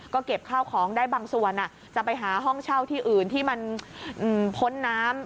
ก็เก็บข้าวของได้บางส่วนจะไปหาห้องเช่าที่อื่นที่มันพ้นน้ำ